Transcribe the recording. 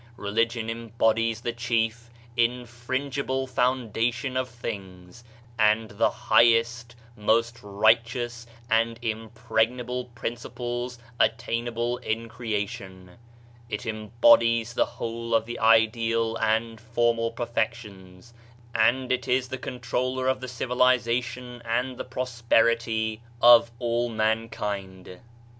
Religion embodies the chief, infringible foundation of things, and the highest, most righteous and impregnable princi ples attainable in creation ; it embodies the whole of the ideal and formal perfections, and it is the controller of the civilization and the prosperity of all mankind.